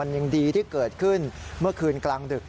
ยังดีที่เกิดขึ้นเมื่อคืนกลางดึก